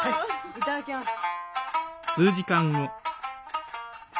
いただきます。